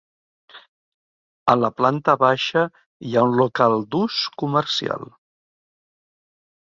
A la planta baixa hi ha un local d'ús comercial.